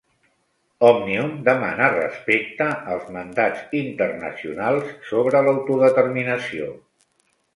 Òmnium demana respecte als mandats internacionals sobre l'autodeterminació